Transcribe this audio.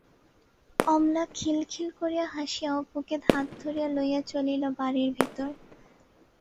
অমলা খিলখিল করিয়া হাসিয়া অপুকে হাত ধরিয়া লইয়া চলিল বাড়ির ভিতর।